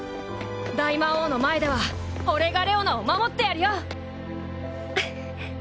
大魔王の前では俺がレオナを守ってやるよ！